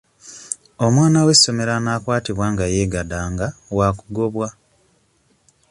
Omwana w'essomero anaakwatibwa nga yeegadanga wakugobwa.